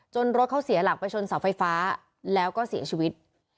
รถเขาเสียหลักไปชนเสาไฟฟ้าแล้วก็เสียชีวิต